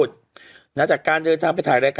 ที่โบห์หยิบเงินในซองตนมองเป็นเรื่องส่วนตัวที่เราได้ขอไป